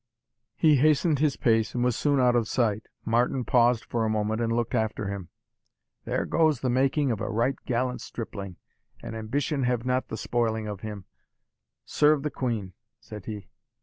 He hastened his pace, and was soon out of sight. Martin paused for a moment, and looked after him. "There goes the making of a right gallant stripling, an ambition have not the spoiling of him Serve the Queen! said he.